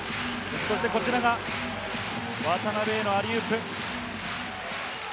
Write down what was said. そしてこちらが渡邊へのアリウープ。